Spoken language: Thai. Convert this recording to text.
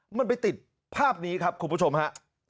มันไปติดภาพนี้ครับคุณผู้ชมฮะ